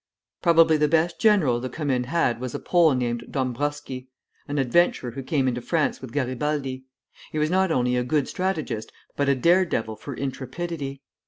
Probably the best general the Commune had was a Pole named Dombrowski, an adventurer who came into France with Garibaldi. He was not only a good strategist, but a dare devil for intrepidity.